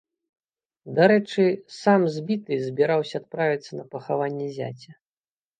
Дарэчы, сам збіты збіраўся адправіцца на пахаванне зяця.